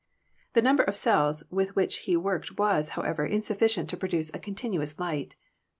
The number of cells with which he worked was, however, insufficient to produce a continuous light.